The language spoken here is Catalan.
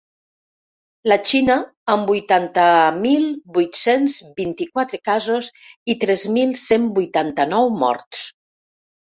La Xina, amb vuitanta mil vuit-cents vint-i-quatre casos i tres mil cent vuitanta-nou morts.